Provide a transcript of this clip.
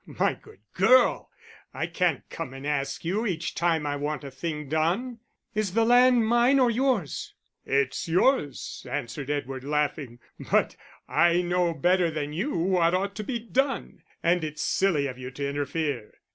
"My good girl, I can't come and ask you each time I want a thing done." "Is the land mine or yours?" "It's yours," answered Edward, laughing, "but I know better than you what ought to be done, and it's silly of you to interfere."